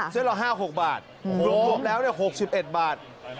เสื้อละห้าหกบาทโหกลบแล้วเลยหกสิบเอ็ดบาท